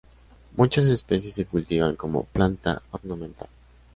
Muchas especies se cultivan como planta ornamental.